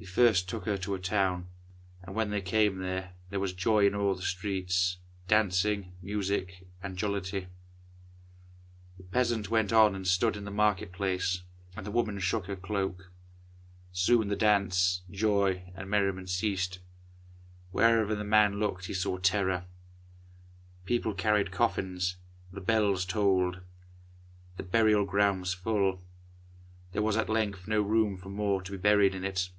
He first took her to a town, and when they came there, there was joy in all the streets, dancing, music, and jollity. The peasant went on and stood in the market place, and the woman shook her cloak. Soon the dance, joy, and merriment ceased. Wherever the man looked he saw terror. People carried coffins, the bells tolled, the burial ground was full; there was at length no room for more to be buried in it.